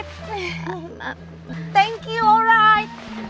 thank you orai